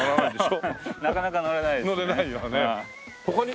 なかなか乗れないですね。